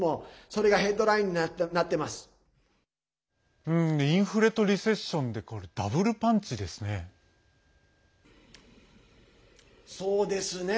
それがヘッドラインにインフレとリセッションでダブルパンチですね。